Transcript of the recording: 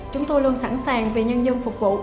chúng tôi luôn sẵn sàng vì nhân dân phục vụ